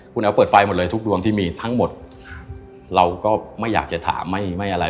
คุณแอ๋วเปิดไฟหมดเลยทุกดวงที่มีทั้งหมดเราก็ไม่อยากจะถามไม่ไม่อะไร